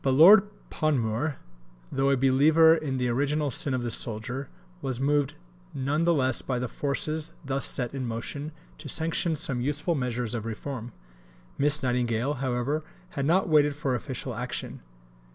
But Lord Panmure, though a believer in the original sin of the soldier, was moved none the less by the forces thus set in motion to sanction some useful measures of reform. Miss Nightingale, however, had not waited for official action.